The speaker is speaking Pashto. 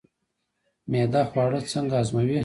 معده خواړه څنګه هضموي